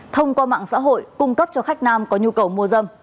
thông qua mạng xã hội cung cấp cho khách nam có nhu cầu mua dâm